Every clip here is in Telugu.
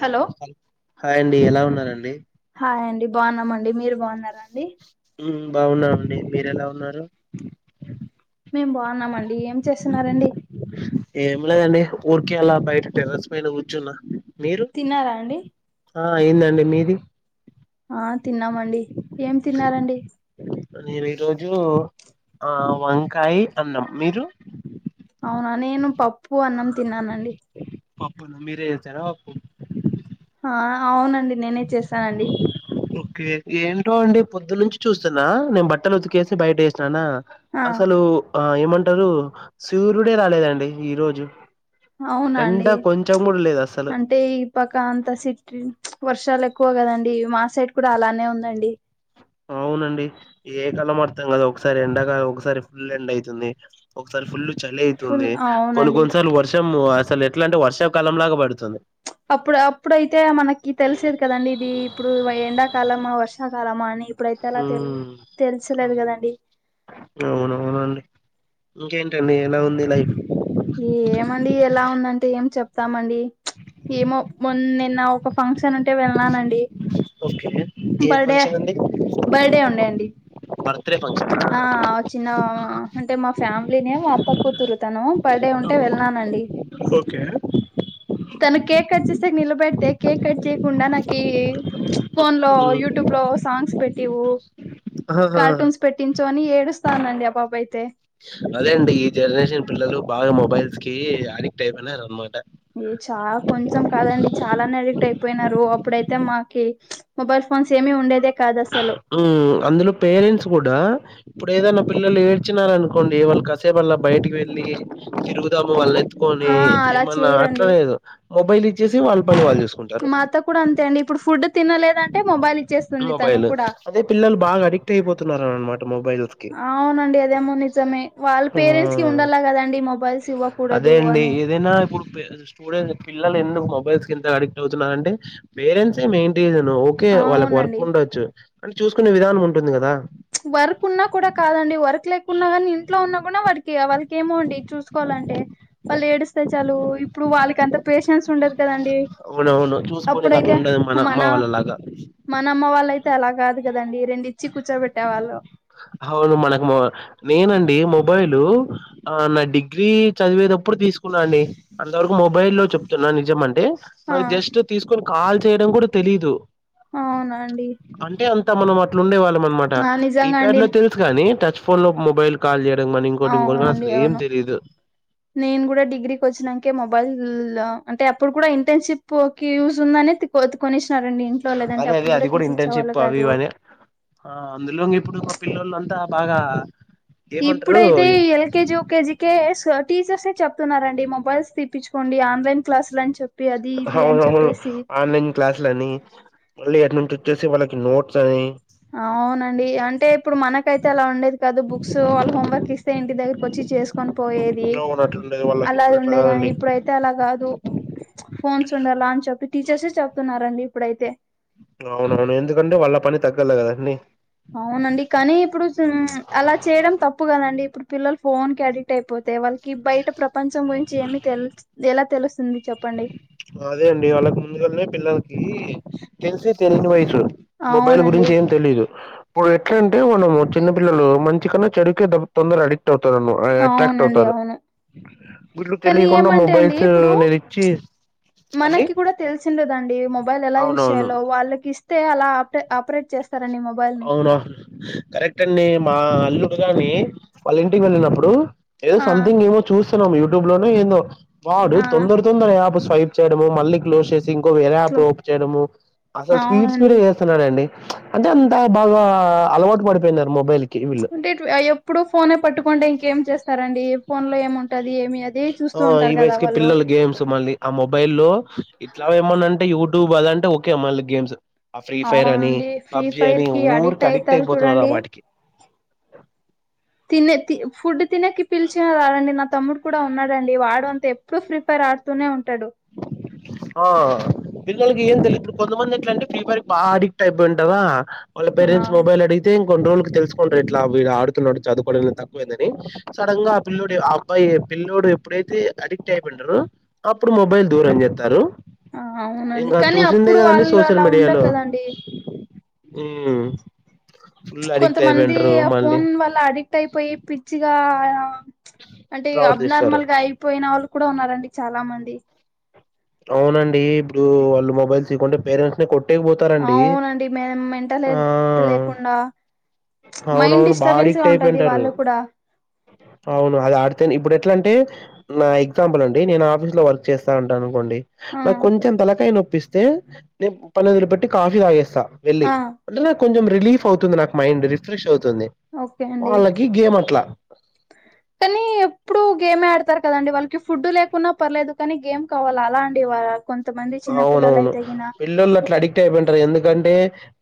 హలో హాయ్ అండి ఎలా ఉన్నారండి హాయ్ అండి బాగున్నామండి మీరు బాగున్నారా అండి మ్మ్ బాగున్నామండి మీరెలా ఉన్నారు మేం బాగున్నామండి ఏం చేస్తున్నారండి ఏం లేదండి ఊరికే అలా బయట టెరస్ పైన కూర్చున్న మీరు తిన్నారా అండి హా అయిందండి మీది ఆ తిన్నామండి ఏం తిన్నారండి నేను ఈ రోజు ఆ వంకాయి అన్నం మీరు అవునా నేను పప్పు అన్నం తిన్నానండి పప్పునా మీరే చేసారా పప్పు ఆ అవునండి నేనే చేస్ ఓకే ఏంటో అండి పొద్దునుంచి చూస్తున్నా నేను బట్టలు ఉతికేసి బయట వేసిననా ఆ అసలు ఆ ఏమంటారు సూర్యుడే రాలేదండి ఈ రోజు అవునా ఎండ కొంచెం కూడా లేదు అసలు పకా అంత సిట్ వర్షాలు ఎక్కువ కదండి మాసైట్ కూడా అలానే ఉందండి అవునండి ఏ కలం అర్థం కాదు ఒకసారి ఎండకాల ఒకసారి ఫుల్ ఎండ అయితుంది ఒక్కసారి ఫుల్ చలి ఫుల్ తుంది కొన్ని అవునండి కొన్నిసార్లు వర్షం అసలు ఎట్లా అంటే వర్షాకాలం లాగా పడుతుంది అప్పుడు అప్పుడైతే మనకి తెలిసేది కదండి ఇది ఇప్పుడు ఎండాకాలమా వర్షాకాలమా అని ఇప్పుడైతే అలా తెల్ ఉమ్, తెలుసలేదు కదండి అవునవునండి ఇంకేంటండి ఎలా ఉంది లైఫ్ ఏమండి ఎలా ఉందంటే ఏం చెప్తామండి ఏమో మొన్న నిన్న ఒక ఫంక్షన్ ఉంటే వెళ్ళానండి ఓకే ఏం బర్డే బర్డే ఉండేండి బర్ బర్త్డేఫంక్షన్ ఆ ఆ చిన్న అంటే మా ఫ్యామిలీనే మా అత్త కూతురు తను బర్త్డే ఉంటే వెళ్నానండి ఓకే తను కేక్ కట్ చేసేకి నిలబెడితే కేక్ కట్ట ఉండనాకి ఫోన్ లో ఉమ్, యూటుబ్ లో సాంగ్స్ పెట్టివు ఆహాహా. కార్టూన్స్ పెట్టించు అని ఏడుస్తాందండి ఆ పాపయితే అదే అండి ఈ జనరేషన్ పిల్లలు బాగా మొబైల్స్ కి అడిక్ట్ అయిపోయినారన్నమాట ఏ చాలా కొంచెం కాదండి చాలానేడి డ్ అయిపోయినారు అప్పుడైతే మాకి మొబైల్ ఫోన్స్ ఏమీ ఉండేదే కాదు అసలు ఉ అందులో పేరెంట్స్ కూడా ఇప్పుడు ఏదైనా పిల్లలు ఏడ్చినార అనుకోండి వాళ్ళు కాసేపల్లా బయటికి వెళ్ళి తిరుగుదాము వాళ్ళ ఎత్తు ఆ కుని అలా ఏమన్నా చేయరండి అట్లాలేదు మొబైల్ ఇచ్చేసి వాళ్ళ పని వాళ్ళు చూసుకుంట మా అత్త కూడా అంతే అండి ఇప్పుడు ఫుడ్ తినలేదంటే మొబైల్ ఇచ్చేస్తుంది తను మొబైల్. కూడా అదే పిల్లలు బాగా అడిక్ట్ అయిపోతున్నారు అనమాట మొబైల్స్ కి అవునండి అదేమో నిజమే వాళ్ళ పేరెంట్స్ కి ఉండలా కదండి మొబైల్స్ అదే ఇవ్వకూడదు అండి అని ఏదైన ఇప్పు స్టూడెంట్స్ పిల్లలు ఎందుకు మొబైల్స్ క ఇంత అడిక్ట్ అవుతున్నారంటే పేరెంట్స్ మెయిన్ రీజనూ ఓకే వాళ్ళకి వర్క్ అవునండి ఉండొచ్చు అంటే చూసుకునే విధానం ఉంటుంది కదా వర్క్ ఉన్నా కూడా కాదండి వర్క్ లేకున్నా కానీ ఇంట్లో ఉన్నా కూడా వాడికి వాళ్కి ఏమోండి చూసుకోవాలంటే వాళ్ళు ఏడుస్తే చాలు ఇప్పుడు వాళ్ళకి అంత పేషెన్స్ ఉండదు కదండి అవునవును చూసుకోనికి అట్లా అప్పుడైతే ఉండదు మన అమ్మ వాళ్ళలాగా మన అమ్మ వాళ్ళ అయితే అలా కాదు కదండి రెండు ఇచ్చి కూర్చోబెట్టేవాళ్ళు అవును మనకు మ నేనండి మొబైల్ ఆ నా డిగ్రీ చదివేటప్పుడు తీసుకున్నా అండి అంతవరకు మొబైల్ లో చెప్తున్నా నిజం అంటే ఆ నాకు జస్ట్ తీసుకొని కాల్ చేయడం కూడా తెలీదు అవునాండి అంటే అంత మనం అట్లు ఉండే వాళ్ళం అనమాట ఆ కీప్యాడ్ నిజంగాండి లో తెలుసు కాని టచ్ ఫోన్ లో మొబైల్ కాల్ చేయడం కానీ ఇంకోటి ఇంకో కానీ అవునండి అసలు ఏం అవును తెలీదు నేను కూడా డిగ్రీకి వచ్చినాకే మొబైల్ అంటే అప్పుడు కూడా ఇంటర్న్షిప్ కి యూస్ ఉందనే కోత్తకొనేసినారండి అదే అదే అది కూడా ఇంటేన్షిప్ అవ అనే ఆ అందులోంగ్ ఇప్పుడు ఒక పిల్లొలంత బాగా ఏమంటారు ఇప్పుడైతే ఎల్కేజీ యుకేజీ కే టీచర్స్ చెప్తున్నారండి మొబైల్స్ తీప్పించుకోండి ఆన్లైన్ క్లాసులు అని చెప్ అవునవును ఆన్లన్ క్లాసుల అని మళ్ళీ అట్నుంచోచ్చేసి వాళ్ళకి నోట్స్ అని అవునండి అంటే ఇప్పుడు మనకైతే అలా ఉండేది కదా బుక్స్ వాళ్ళ హోంవర్క్ ఇస్తే ఇంటి దగ్గరకు వచ్చి చేస్ కొని పోయేది అవును అట్లుండేది వాళ్ళకి ఇప్పుడు అలాది అట్లా ఉండేది గాని కాదండి ఇప్పుడై అయితే అలా కాదు ఫోన్స్ ఉండాల అని చెప్పి టీచర్సే చెప్తున్నారండి ఇప్పుడైతే అవునవును ఎందుకంటే వాళ్ళ పని తగ్గలే కదండి అవునండి కానీ ఇప్పుడు అలా చేయడం తప్పు కదండి ఇప్పుడు పిల్లలు ఫోన్ కి అడిక్ట్ అయిపోతే వాళ్ కీ బయట ప్రపంచం గురించి ఏమి తెలు ఎలా తెలుస్తుంది చెప్పండి అదే అండి వాళ్ళకు ముందుగానే పిల్లలకి తెలిసి తెలియని వయసు మొబైల్ అవునండి గురించి ఏం తెలీదు ఇప్పుడు ఎట్లా అంటే మనము చిన్నపిల్లలు మంచి కన్నా చెడుకే తొందర అడిక్ ట్ అవుతారు ఆ అట్రాక్ట్ అవునండి అవుతారు అవును గుడ్లు కానీ తెలియకుండా ఏమంటే అండి మొబైల్స్ ఇప్పుడు నేన్ ఇచ్చేస్ మనకి కూడా తెలిసిండదండి మొబైల్ ఎలా యూస్ అవునవును చేయాలో వాళ్ళకి స్తే అలా ఆప ఆపరేట్ చేస్తారండి మా అవునా కరెక్ట్ అండి మా అల్లుడు గాని వాళ్ళ ఇంటికి వెళ్ళినప్పుడు ఏదో ఆ సంథింగ్ ఏమో చూస్తున్నాం యూట్యూబ్ లోనో ఏందో వాడు ఆ తొందర తొందర యాప్ స్వైప్ చేయడము మళ్ళీ క్లోజ్ చేసి ఇంకో వేరే యాప్ అట్లు ఓపెన్ చేయము అసల్ స్పీడ్ అవునండి ఎస్ స్తున్నడండి అంటే అంత బాగా అలవాటు పడిపోయినారు మొబైల్ కి వీళ్ళు అంటే ఎప్పుడు ఫోన్ పట్టుకుంటే ఇంకేం చేస్తారండి ఫోన్ లో ఏముంటది ఏమి అదే ఆ చూస్తూ ఈ ఉంటారు కదా వయసుకి వాళ్ళు పిల్లలు గేమ్స్ మళ్ళీ ఆ మొబైల్ లో ఇట్లా ఏమన్నా అంటే యూట్యూబ్ అదంటే ఒకే మళ్ళీ గేమ్స్ ఆ ఫ్రీ ఫైర్ అని అవునండి ఫ్రీ పబ్జి ఫైర్ అని కి ఊరికే అడిక్ట్ అయితారు అయిపోతున్నారు ఆ చూడండి వాటికి తినే తి ఫుడ్ తినేకి పిలిచినా రారండి నా తమ్ముడు కూడా ఉన్నాడండి వాడు అంతే ఎప్పుడు ఫ్రిఫైర్ ఆడుతూనే ఉంటాడు ఆ పిల్లకి ఏం తెలిదు కొంతమంది ఎట్లంటే ఫ్రీపైర్కి బాగా అడిక్ట్ అయిపోయి ఉంటారా వాళ్ళ ఆ పేరెంట్స్ మొబైల్ అడిగితే ఇంకొన్ని రోజులకి తెలుసుకుంటారు ఇట్లా వీడుతున్నాడు చదువుకోవడం తక్కువైందని సడన్ గా ఆ పిల్లోడు ఆ అబ్బాయి పిల్లోడు ఎప్పుడైతే అడిక్ట్ అయిపోయి ఉంటాడో ప్పుడు మొబైల్ దూరం చెత్తారు ఆ! అవునండి ఇంగా కానీ చూసిందే అప్పుడు కదండి వాళ్ళు సోషల్ అలా ఉండరు మీడియాలో కదండి హ్ ఫుల్ అడిక్ట్ అయిపోయింటరు మళ్ళీ లా అడిక్ట్ అయిపోయి పిచ్చిగా ఆ అంటే ప్రవర్తిస్తారు అబ్నార్మల్ గా అయి పోయిన వాళ్ళు కూడా ఉన్నారండి చాలా మంది అవునండి ఇప్పుడు వాళ్ళు మొబైల్ ఇయకుంటే పేరెంట్స్నే కొట్ ట్టే పోతారండి అవునండి మే మెంటల్ ఆ హెల్త్ లేకుండా మైండ్ అవునవును బా డిస్టర్బెన్స్ గా అడిక్ట్ ఉంటది అయిపోయింటారు వాళ్ళు కూడా అవును అది ఆడితేనే ఇప్పుడు ఎట్లా అంటే నా ఎగ్జాంపుల్ అండి నేను ఆఫీస్ లో వర్క్ చేస్తా ఉంటా అనుకోండి ఆ నాకు కొంచెం తలకాయ నొప్పిస్తే నేను పనొదిలి పెట్టి కాఫీ తాగేస్తా వెళ్ళి ఆ అంటే నాకు కొంచెం రిలీఫ్ అవుతుంది నాకు మైండ్ రిఫ్రెష్ అవుతుంది ఓకే అండి వాళ్ళకి గేమ్ అట్లా కానీ ఎప్పుడు గేమే ఆడతారు కదండి వాళ్ళకి ఫుడ్డు లేకున్నా పర్లేదు కానీ గేమ్ కావాల అలా అండి వా కొంతమంది చిన్న పిల్లలు అవునవును అయితే గిన పెల్లోల్లట్లడిగ్ క్ట్ అయిపోయింటరు ఎందుకంటే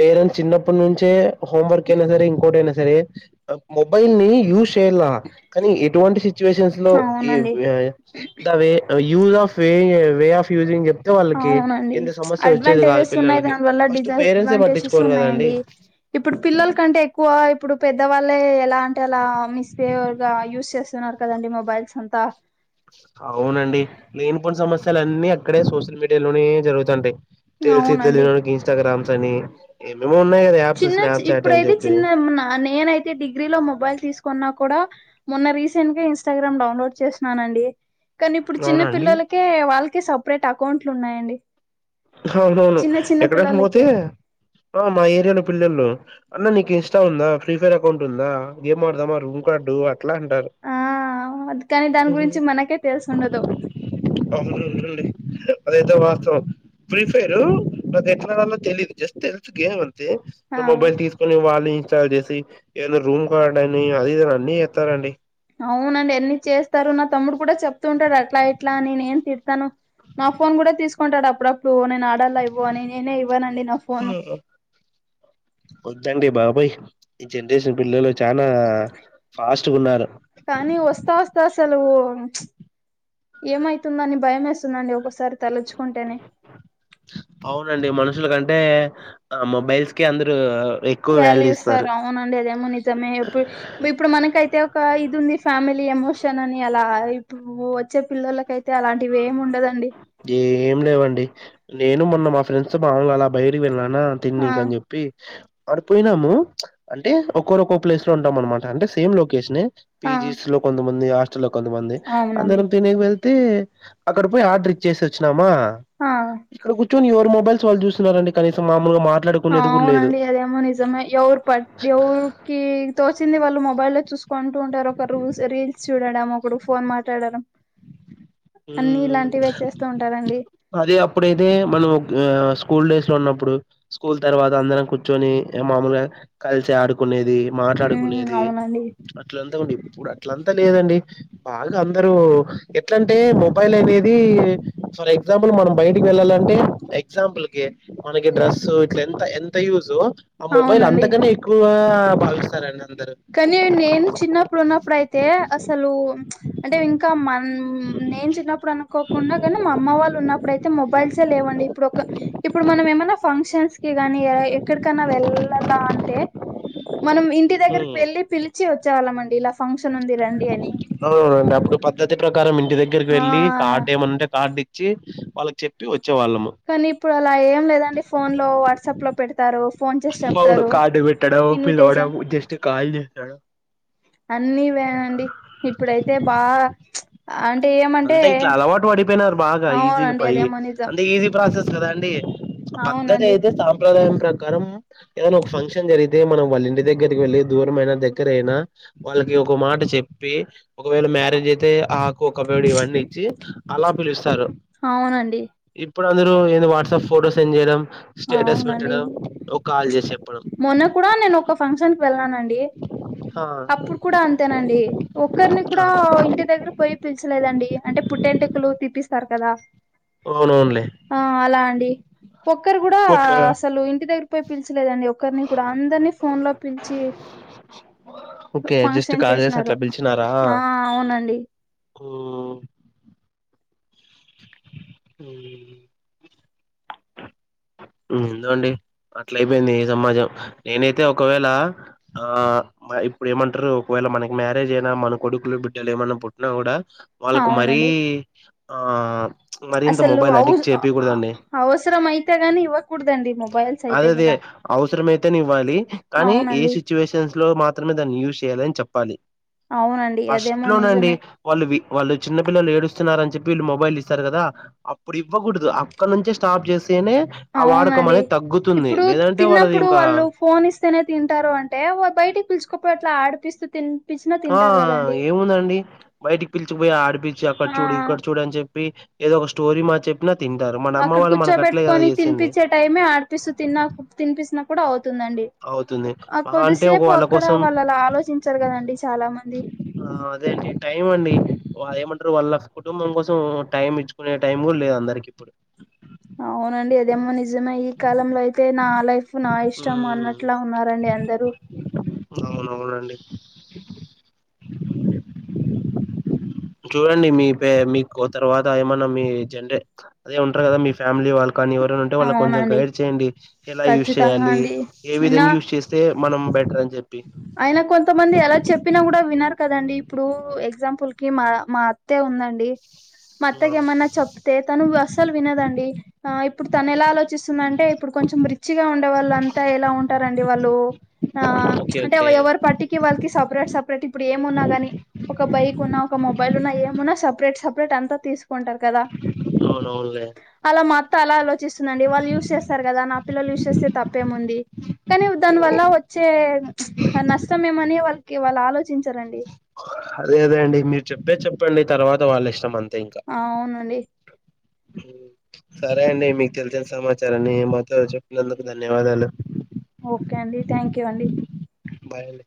పేరెంట్స్ చిన్నప్పటి నుంచే హోం వర్క్ అయినా సరే ఇంకోటైనా సరే మోబైల్ని యూస్ చేయ్లా కనీ ఎటువంటి సిచ్యువేషన్స్ లో ఎవ్ అవునండి య దవే యూజ్ ఆఫ్ వే ఇంగ వే ఆఫ్ యూజింగ్ చెప్ తే వాళ్ళకి అవునండి ఇంత సమస్య వచ్చేదే గాదు అడ్వాంటేజెస్ ఉన్నాయి పిల్లలకి, దాని వల్ల ఫస్ట్ పేరెంట్సే డిసడ్వాంటేజెస్ పట్టించుకోరు కదండి. ఉన్నాయండి ఇప్పుడు పిల్లల కంటే ఎక్కువ ఇప్పుడు పెద్దవాళ్ళే ఎలా అంటే అలా మిస్ బిహేవిర్గా యూజ్ చేస్తున్నారు. కదండి మొబైల్స్ అంతా. అవునండి లేనిపోని సమస్యలన్నీ అక్కడే సోషల్ మీడియా లోనే జరుగుతుంటాయి. తేల్సి అవునండి తెలియనోడికి ఇన్స్టాగ్రామ్స్ అని ఏమేమో ఉన్నాయి గదా యాప్ చిన్న చి ఇప్పుడైతే చిన్న ఏమన్న నేనైతే డిగ్రీలో మొబైల్ తీసుకున్నా కూడా మొన్న రీసెంట్గ ఇన్స్టాగ్రామ్ డౌన్లోడ్ చేసినానండి. కనీప్పుడు చిన్న అవునండి పిల్లలకే వాళ్ళకే సపరేట్ అకౌంట్లు ఉన్నాయండి అవునవును చిన్న చిన్న ఎక్కడన్న పోతే పిల్లలకే ఆ మా ఏరియాలో పిల్లలు అన్న నీకు ఇన్స్టా ఉందా, ఫ్రీఫైర్ అకౌంట్ ఉందా, గేం ఆడదామా రూమ్ కార్డు అట్లా అంటారు ఆ అది కాని దాని గురించి మనకే తెలిసి ఉండదు అవునవునండి అదైతే వాస్తవం ఫ్రీ ఫైరు అది ఎట్ల ఆడాలో తెలీదు జస్ట్ తెల్సు గేమ్ అంతే ఆ నా మొబైల్ తీస్ కొని వాళ్ళే ఇన్స్టాల్ జేసి ఏదన్న రూమ్ కార్డ్ అని అది ఇది అన్ని చేత్తరండి అవునండి ఎన్ని చేస్తారు నా తమ్ముడు కూడ చెప్తూ ఉంటాడు అట్లా ఇట్లా అని నేను తిడతాను నా ఫోన్ గూడ తీసుకుంటాడప్పుడప్పుడు నేను ఆడల్లా ఇవ్వు అని, నేనే ఇవ్వనండి నా ఫోన్. వద్దండి బాబోయ్, ఈ జనరేషన్ పిల్లలు చానా ఫాస్ట్గున్నారు. కనీ వస్తా వస్తా అసలూ చ్చ్ ఏమైతుందని భయమేస్తుందండి ఒకోకసారి తలుచుకుంటేనే. అవునండి మనుషుల కంటే ఆ మొబైల్స్ కె అందరు వ్యాల్యు ఇస్తారు అవునండి అదేమో నిజమే ఎప్పుడు ఇప్పుడు మనకైతే ఒకా ఇది ఉంది ఫ్యామిలీ ఎమోషన్ అని అలా ఇప్పుడు వచ్చే పిల్లలకైత్ తే అలాంటివి ఏం ఉండదండి ఏం లేవండి నేను మొన్న మా ఫ్రెండ్స్ తొ మాముల్గ అలా బయటికి వెల్లినానా ఆ తిన్నికని చెప్పి ఆడ పోయినాము అంటే ఒక్కొరొక్క ప్లేస్ లో ఉంటాం అనమాట అంటే సేమ్ లొకేషనే పీ ఆ జీస్ లో కొంతమంది, హాస్టల్ లో కొంతమంది అవునండి అందరం తిననికి వెళ్తే అక్కడ పోయి ఆర్డర్ ఇచ్ చేసోచ్చినామా ఆ ఇక్కడ కూచ్చోని ఎవరు మొబైల్స్ వాళ్ళు చూస్తున్నరండి కనీసం మామూలుగ మాట్లాడుక్ ఆవునండి అదేమో నిజమే ఎవర్ పట్టి ఎవరోకి తోసింది వాళ్ళు మొబైల్లో చూసుకుంటూ ఉంటారు ఒక రూల్స్ రీల్స్ చూడడం ఒకడు ఫోన్ మాట్లాడడం అన్ని హ్మ్ ఇలాంటివే చేస్తూ ఉంటాడండి అదే అప్పుడైతే మనం ఆ స్కూల్ డేస్ లో ఉన్నప్పుడు స్కూల్ తర్వాత అందరం కూర్చొని ఇగ మామూలుగా కల్సడుకునేది హ్మ్. మాట్లాడుకునేది అవునండి అట్లంత గుడ ఇప్పుడట్లంత లేదండి బాగా అందరూ ఎట్లాంటి టే మొబైల్ అనేది ఫర్ ఎగ్జాంపుల్ మనం బయటికి వెళ్ళాలంటే ఎగ్జాంపుల్ కి మనకి డ్రస్సు ఇట్ల ఎంత ఎంత యూజు ఆ మొబైల్ అవునండి అంతకనే ఎక్కువ భావిస్తారండి అందరు కానీ నేను చిన్నప్పుడు ఉన్నప్పుడు అయితే అసలు ప్చ్ అంటే ఇంకా మన్ ఊ నేను చిన్నప్పుడు అనుకోకుండా కానీ మా అమ్మ వాళ్ళు ఉన్నప్పుడయితే మొబైల్సే లేవండి ఇప్పుడు ఒక ఇప్పుడు మనం ఏమైనా ఫంక్షన్స్ కి గాని ఎక్కడికన్నా వెళ్ళాల అంటే మనం ఇం ఊ టె పిలిచి వచ్చేవళ మండిలా అవునండి అప్పుడు పద్ధతి ప్రకారం ఇంటి దగ్గరికి ఆ వెళ్ళి కార్డు ఏమనుంటే కార్డు వచ్చి వాళ్ళకి చెప్పి వచ్చేవాళ్ళము కానీ ఇప్పుడు అలా ఏం లేదండి ఫోన్ లో వాట్సాప్ లో పెడతారు ఫోన్ చేసి అవును చెప్తారు కార్డు పెట్టడం పిలవడం ఇన్విటేషన్ జస్ట్ కాల్ చేసడం అన్నీ వేనండి ఇప్పుడైతే బాగ ప్చ్ అంటే ఏమ అంతా ఇట్లా అలవాటు పడిపోయినారు బాగా ఈజీ అవునండి పయి అదేమో నిజం అంటే ఈజీ ప్రాసెస్ కదా అండి పద్ధతి అవునండి అయితే సాంప్రదాయం ప్రకారం ఏదనీ ఒక ఫంక్షన్ జరిగితే మనం వాళ్ళ ఇంటి దగ్గరికి వెళ్ళి దూరం అయినా దగ్గర అయినా వాళ్ళకి ఒక మాట చెప్పి ఒకవేళ మ్యారేజ్ అయితే ఆకు కబడ్డీ ఇవన్నీ ఇచ్చి అలా పిలుస్తారు అవునండి ఇప్పుడు అందరు ఏంది వాట్సాప్ ఫోటో సెండ్ చేయడం స్టేటస్ అవునండి పెట్టడం ఒ కాల్ చేసి చెప్పడం మొన్న కూడా నేను ఒక ఫంక్షన్ కి వెళ్ళానండి ఆ అప్పుడు కూడా అంతేనండి ఒకరిని కూడా ఇంటి దగ్గర పోయి పిల్చలేదండి అంటే పుట్టెంటుకలు తీపిస్తారు కదా అవునవునులే ఆ అలా అండి ఒక్కరు కూడా ఓకే అసలు ఇంటి దగ్గర పోయి పిల్చలేదండి ఒకరిని కూడా అందరిని ఫోన్ లో పిలిచి ఓకే జస్ట్ ఫంక్షన్ కాల్ చేసి చేసినారు అట్లా ఆ అవునండి ఓ ఊ ఏందో అండి అట్లయిపోయింది ఈ సమాజం నేనైతే ఒకవేళ ఆ ఆ ఇప్పుడు ఏమంటారు ఒకవేళ మనకి మ్యారేజ్ అయినా మన కొడుకులు బిడ్డలు ఏమన్నా పుట్టినా కూడా వాళ్ళకు మరీ అవునండి ఆ మరింత మొబైల్ అడిక్ట్ చేపియకూడదండి అవసరమైతె గనీ ఇవ్వ కుడదండి అదదే అవసరం అయితేనే ఇవ్వాలి కానీ ఏ అవునండి సిచ్యువేషన్స్ లో మాత్ మాత్రమే దాన్ని యూజ్ చేయాలి అని చెప్పాలి అవునండి ఫస్ట్ అదేమో లోనండి నిజమే వాళ్ళు వి వాళ్ళు చిన్నపిల్లలు ఏడుస్తున్నారని చెప్పి వీళ్ళు మొబైల్ ఇస్తారు కదా అప్పుడు ఇవ్వకూడదు అక్కడ నుంచే స్టాప్ చేసేనే ఆ వాడకం అవునండి అనేది తగ్గుతుంది ఇప్పుడు లేదంటే వాళ్ళది తిన్నప్పుడు ఇంకా వాళ్ళు ఫోన్ ఇస్తేనే తింటారు అంటే ఒ బయటికి పిలుచుకొ అట్లా ఆడిపిస్తూ తిన్ ఆ ఏముందండి బయటికి పిలిచికుపోయి ఆడిపిచి అక్కడ ఆ చూడు ఇక్కడ చూడు అని చెప్పి ఏదో ఒక స్టోరీ మా చెప్పినా తింటారు మన అమ్మ అక్కడ వాళ్ళు మనక అట్లే కదా కూర్చోబెట్టుకొని చేసింది తినిపించే టైమే ఆడిపిస్తూ తిన్నా తినిపిస్తున కూడా అవుతుందండి అవుతుంది ఆ మహా అంటే ఒక కొద్దిసేపు వాళ్ళ అక్కడ కోసం వాళ్ళు అలా ఆలోచించరు కదండి చాలా మంది ఆ అదే అండి టైం అండి వాళ్ళేమంటరు వాళ్ళ కుటుంబం కోసం టైం ఇచ్ కొనే టైం కూడ్ లేద్ అందరికి ఇప్పుడు అవునండి ఏదేమో నిజమే ఈ కాలంలో అయితే నా లైఫ్ ఉప్ నా ఇష్టం ఉమ్, అన్నట్లా ఉన్నారండి అందరూ అవునవునండి చూడండి మీ పే మీకు తర్వాత ఏమన్నా మీ జండే అదే ఉంటారు కదా మీ ఫ్యామిలీ వాళ్ళు కానీ ఎవరైనా ఉంటే వాళ్ళ కొంచెం అవునండి గైడ్ చేయండి ఎలా యూస్ ఖచ్చితంగా చేయాలి అండి ఏ అయినా విధంగా యూస్ చేస్తే మనం బెటర్ అని చెప్పి అయిన కొంతమంది ఎలా చెప్పినా కూడా వినరు కదండి ఇప్పుడు ఎగ్జాంపుల్ కి మా మా అత్తె ఉందండి మా అత్తయ్ ఆ కేమన్నా చప్తే తను అసలు వినదండి ఆ ఇప్పుడు తనెలా ఆలోచిస్తుందాంటే ఇప్పుడు కొంచెం రిచ్చ్ గా ఉండే వాళ్ళు అంతా ఎలా ఉంటారండి వాళ్ళు తా ఓకే ఓకే పట్టికి వాళ్ళకి సపరేట్ సపరేట్ ఇప్పుడు ఏమున్నా గాని ఒక బైక్ ఉన్నా ఒక మొబైల్ ఉన్నా ఏమున్నా సపరేట్ సపరేట్ అంతా తీసు కుంటారు కదా అవునవునులే అలా మా మత్త అలాలో చూస్తుందండి వాళ్ళు యూస్ చేస్తారు కదా నా పిల్లలు యూస్ చేస్తే తప్పేముంది కానీ దాని వల్ల వచ్చే నష్టం ఏమని వాళ్ళకి వాళ్ళు ఆలోచించరండి అదే అదే అండి మీరు చెప్పేద్ చెప్పండి తర్వాత వాళ్ళిష్టం అంతే ఇంకా ఆవునండి సరే అండి మీకు తెలిసిన సమాచారాన్ని మాతో చెప్పినందుకు ధన్యవాదాలు ఓకే అండి థ్యాంక్ యూ అండి బాయ్